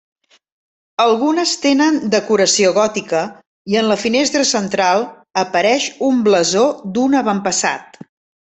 Algunes tenen decoració gòtica i en la finestra central, apareix un blasó d'un avantpassat.